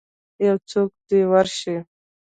یوڅوک دی ورشئ